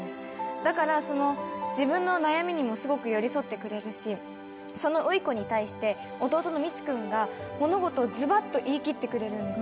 だから、自分の悩みにもすごく寄り添ってくれるし、その羽衣子に対して兄の道君が物事をズバッと言い切ってくれるんです。